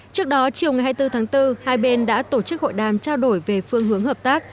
trước đó chiều ngày hai mươi bốn tháng bốn hai bên đã tổ chức hội đàm trao đổi về phương hướng hợp tác